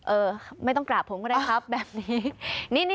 เออไม่ต้องกราบผมก็ได้ครับแบบนี้